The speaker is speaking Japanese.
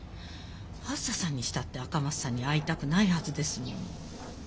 あづささんにしたって赤松さんに会いたくないはずですもの。